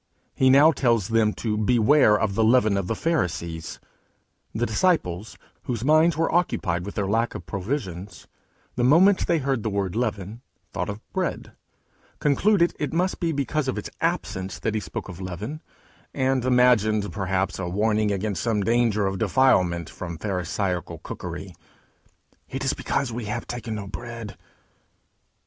He now tells them to beware of the leaven of the Pharisees. The disciples, whose minds were occupied with their lack of provisions, the moment they heard the word leaven, thought of bread, concluded it must be because of its absence that he spoke of leaven, and imagined perhaps a warning against some danger of defilement from Pharisaical cookery: 'It is because we have taken no bread!'